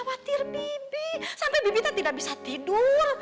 gatir bibi sampai bibi tidak bisa tidur